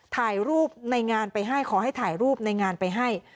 ถ่ายรูปในงานไปให้ขอให้ถ่ายรูปในงานไปให้